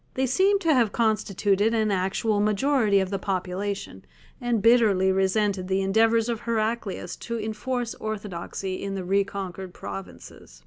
They seem to have constituted an actual majority of the population, and bitterly resented the endeavours of Heraclius to enforce orthodoxy in the reconquered provinces.